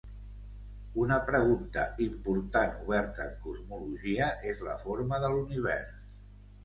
Una pregunta important oberta en cosmologia és la forma de l'univers.